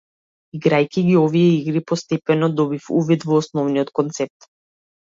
Играјќи ги овие игри постепено добив увид во основниот концепт.